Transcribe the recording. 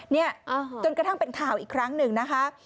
เนี่ยจนกระทั่งเป็นข่าวอีกครั้งหนึ่งนะคะ